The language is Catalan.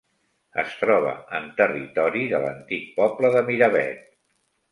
Es troba en territori de l'antic poble de Miravet.